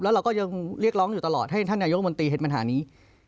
แล้วเราก็ยังเรียกร้องอยู่ตลอดให้ท่านนายกรมนตรีเห็นปัญหานี้